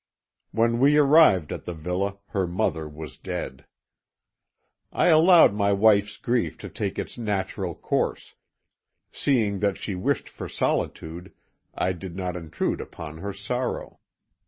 When we arrived at the villa, her mother was dead. "I allowed my wife's grief to take its natural course; seeing that she wished for solitude, I did not intrude upon her sorrow.